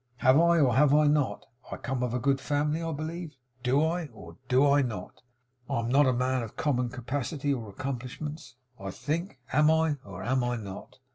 Have I, or have I not? I come of a good family, I believe! Do I, or do I not? I'm not a man of common capacity or accomplishments, I think! Am I, or am I not?